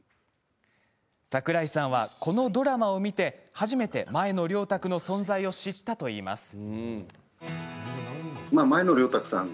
櫻井さんは、このドラマを見て初めて前野良沢の存在を知ったといいます。